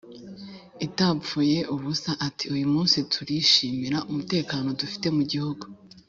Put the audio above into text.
Itapfuye ubusa ati uyu munsi turishimira umutekano dufite mu gihugu